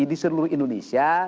di seluruh indonesia